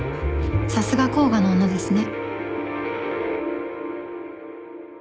さすが甲賀の女ですね。